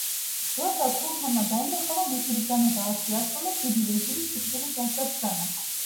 როცა სულთანმა დაინახა, რომ მისი ბრძანება არ შეასრულეს, დიდი ვეზირის სიკვდილით დასჯა ბრძანა.